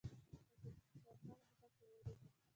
لکه چې خوشحال خټک ویلي دي.